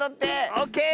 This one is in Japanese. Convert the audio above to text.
オッケー！